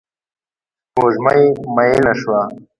سپوږمۍ میینه شوه